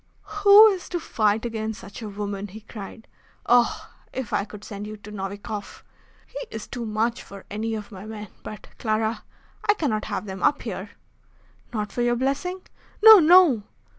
"Who is to fight against such a woman?" he cried. "Oh! if I could send you to Novikoff! He is too much for any of my men. But, Clara, I cannot have them up here." "Not for your blessing?" "No, no!"